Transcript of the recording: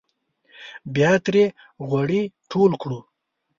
بیا ترې غوړي ټول کړو.